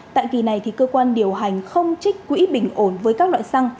tại kỳ này cơ quan điều hành không trích quỹ bình ổn với các loại xăng